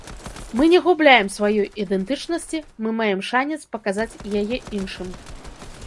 Мы не губляем сваёй ідэнтычнасці, мы маем шанец паказаць яе іншым.